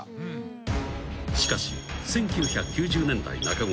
［しかし１９９０年代中ごろ。